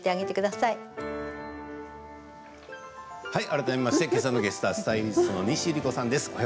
改めましてけさのゲストはスタイリストの西ゆり子さんです。